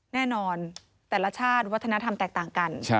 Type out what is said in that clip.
แน่นอนแต่ละชาติวัฒนธรรมแตกต่างกัน